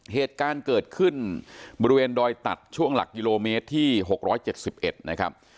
เหตุการณ์เกิดขึ้นบริเวณดอยตัดช่วงหลักกิโลเมตรที่๖๗๑นะครับ